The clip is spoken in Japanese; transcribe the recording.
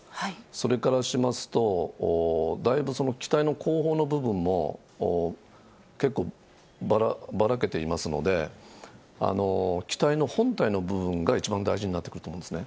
それからしますと、だいぶ機体の後方の部分も、結構ばらけていますので、機体の本体の部分が一番大事になってくると思うんですね。